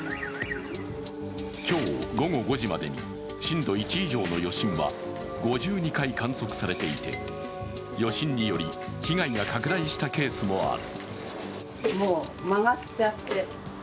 今日午後５時までに震度１以上の余震は５２回観測されていて、余震により被害が拡大したケースもある。